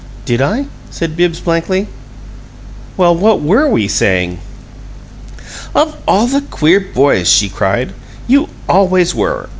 "Did I?" said Bibbs, blankly. "Well, what WERE we saying?" "Of all the queer boys!" she cried. "You always were.